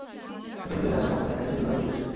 পেছনে ফেলে আসা মক্কা দেখাই ছিল তাঁর উদ্দেশ্য।